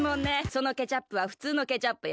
そのケチャップはふつうのケチャップよ。